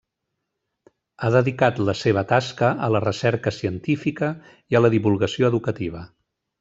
Ha dedicat la seva tasca a la recerca científica i a la divulgació educativa.